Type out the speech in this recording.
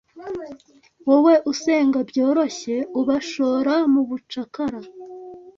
wowe usenga byoroshye ubashora mubucakara